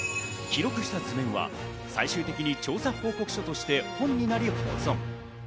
記録した図面は最終的に調査報告書として本になり保存。